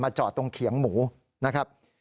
จอดตรงเขียงหมูนะครับ